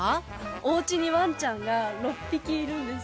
おうちにワンちゃんが６匹いるんです。